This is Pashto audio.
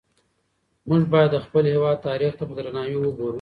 موږ باید د خپل هېواد تاریخ ته په درناوي وګورو.